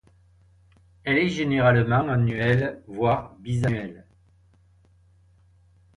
Elle est généralement annuelle voire bisannuelle.